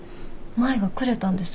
舞がくれたんです。